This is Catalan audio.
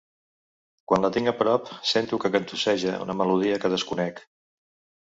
Quan la tinc a prop sento que cantusseja una melodia que desconec.